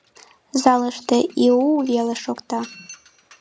Залыште и-и-у-у веле шокта.